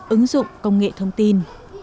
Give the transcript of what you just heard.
ứng dụng công nghệ thông tin